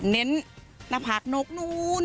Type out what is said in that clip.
เน้นหน้าผากนกนู้น